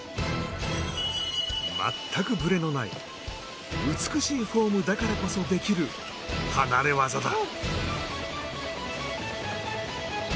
全くぶれのない美しいフォームだからこそできる離れ業だ。